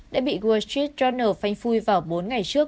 đã bị wall street journal phanh phui vào bốn ngày trước